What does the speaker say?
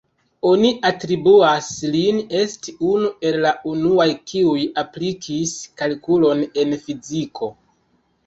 Oni atribuas lin esti unu el la unuaj kiuj aplikis kalkulon en fiziko.